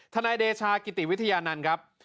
นายเดชากิติวิทยานันต์ครับ